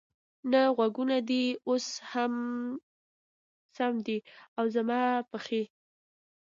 نه، غوږونه دې اوس هم سم دي، او زما پښې؟